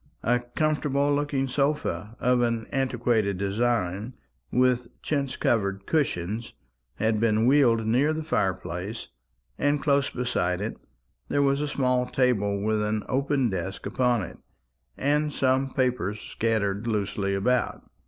A comfortable looking sofa, of an antiquated design, with chintz covered cushions, had been wheeled near the fire place; and close beside it there was a small table with an open desk upon it, and some papers scattered loosely about.